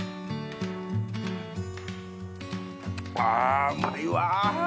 あうまいわ！